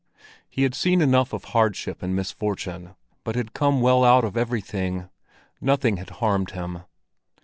He had seen enough of hardship and misfortune, but had come well out of everything; nothing had harmed him.